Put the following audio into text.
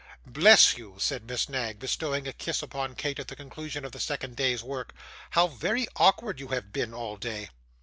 'Bless you!' said Miss Knag, bestowing a kiss upon Kate at the conclusion of the second day's work, 'how very awkward you have been all day.